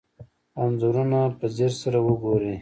انځورونه په ځیر سره وګورئ.